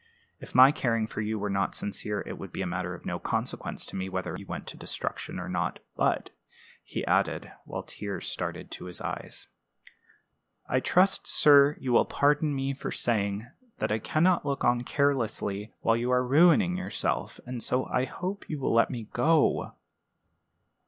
If my caring for you were not sincere, it would be a matter of no consequence to me whether you went to destruction or not; but," he added, while tears started to his eyes, "I trust, sir, you will pardon me for saying that I can not look on carelessly while you are ruining yourself; and so I hope you will let me go."